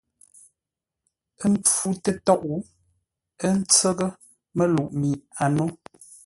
Ə́ pfú tə́tóʼ, ə́ ntsə́ghʼə́ məluʼ mi a nó.